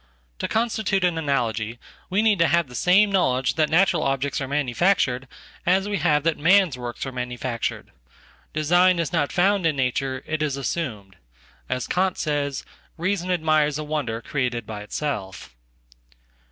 To constitute an analogy we need to have the sameknowledge that natural objects are manufactured as we have thatman's works are manufactured. Design is not found in nature; it isassumed. As Kant says, reason admires a wonder created by itself.